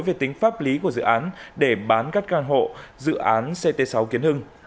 về tính pháp lý của dự án để bán các căn hộ dự án ct sáu kiến hưng